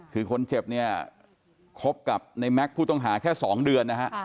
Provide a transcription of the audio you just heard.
คือคนเจ็บครบกับไอร์แม็กซ์ผู้ต้องหาแค่๒เดือน